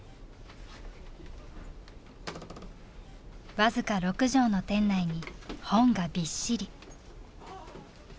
僅か６畳の店内に本がびっしり。